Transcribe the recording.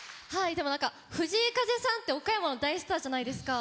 藤井風さんって岡山の大スターじゃないですか。